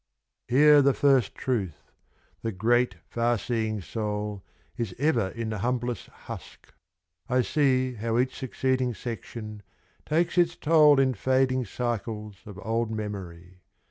Hear the first truth : The great far seeing soul Is ever in the humblest husk ; I see How each succeeding section takes its toll In fading cycles of old memory.